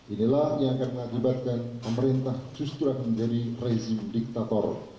inilah yang akan mengakibatkan pemerintah justru akan menjadi rezim diktator